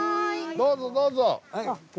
どうぞどうぞ。